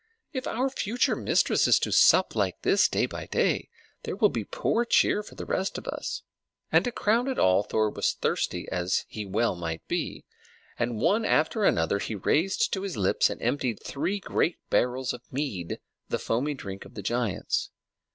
if our future mistress is to sup like this day by day, there will be poor cheer for the rest of us!" And to crown it all, Thor was thirsty, as well he might be; and one after another he raised to his lips and emptied three great barrels of mead, the foamy drink of the giants.